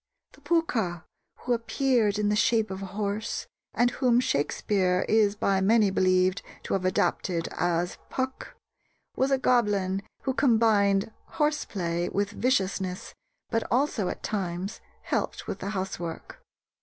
The Pooka, who appeared in the shape of a horse, and whom Shakespeare is by many believed to have adapted as "Puck," was a goblin who combined "horse play" with viciousness, but also at times helped with the housework.